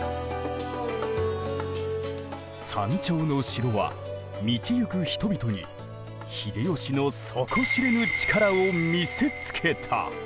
山頂の城は道ゆく人々に秀吉の底知れぬ力を見せつけた。